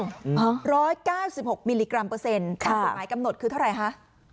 เหรอ๑๙๖มิลลิกรัมเปอร์เซ็นต์ตามกฎหมายกำหนดคือเท่าไรคะ